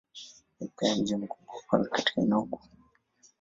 Ni pia mji mkubwa wa kwanza katika eneo huu.